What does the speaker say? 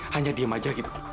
hanya diem aja gitu